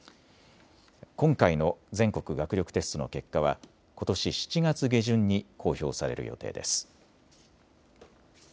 今回の全国学力テストの結果はことし７月下旬に公表される予定です。